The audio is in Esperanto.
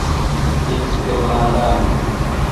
eksterlandano